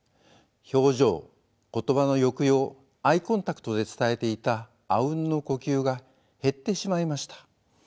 表情言葉の抑揚アイコンタクトで伝えていたあうんの呼吸が減ってしまいました。